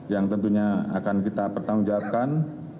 yang tentunya akan kita pertanggungjawabkan